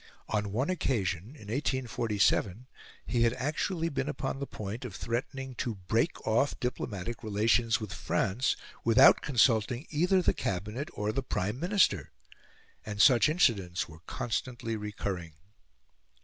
On one occasion, in 1847, he had actually been upon the point of threatening to break off diplomatic relations with France without consulting either the Cabinet or the Prime Minister. And such incidents were constantly recurring.